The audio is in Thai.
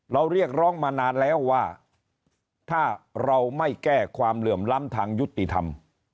เรียกร้องมานานแล้วว่าถ้าเราไม่แก้ความเหลื่อมล้ำทางยุติธรรม